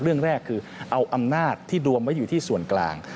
เรื่องแรกคือเอาอำนาจที่รวมไว้อยู่ที่ส่วนกลาง